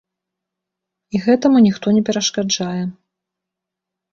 І гэтаму ніхто не перашкаджае.